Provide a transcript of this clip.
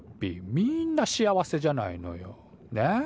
みんな幸せじゃないのよね？